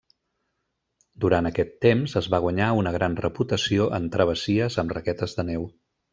Durant aquest temps es va guanyar una gran reputació en travessies amb raquetes de neu.